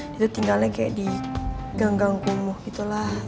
dia tinggalnya kayak di gang gang kumuh gitu lah